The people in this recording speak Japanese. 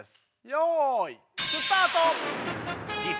よいスタート！